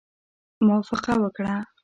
موافقه وکړه.